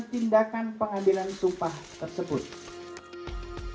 tindakan pengambilan sumpah tersebut